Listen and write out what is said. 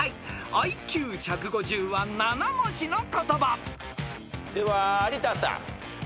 ［ＩＱ１５０は７文字の言葉］では有田さん。